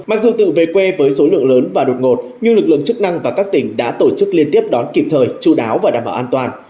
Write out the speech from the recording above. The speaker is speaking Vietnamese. mặc dù tự về quê với số lượng lớn và đột ngột nhưng lực lượng chức năng và các tỉnh đã tổ chức liên tiếp đón kịp thời chú đáo và đảm bảo an toàn